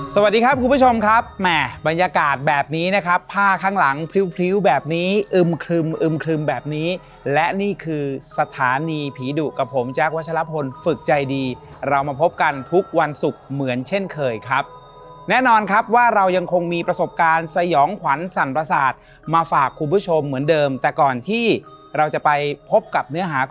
สวัสดีครับคุณผู้ชมครับแหม่บรรยากาศแบบนี้นะครับผ้าข้างหลังพริ้วแบบนี้อึมครึมอึมครึมแบบนี้และนี่คือสถานีผีดุกับผมแจ๊ควัชลพลฝึกใจดีเรามาพบกันทุกวันศุกร์เหมือนเช่นเคยครับแน่นอนครับว่าเรายังคงมีประสบการณ์สยองขวัญสั่นประสาทมาฝากคุณผู้ชมเหมือนเดิมแต่ก่อนที่เราจะไปพบกับเนื้อหาก